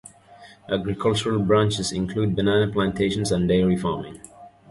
Agricultural branches include banana plantations and dairy farming.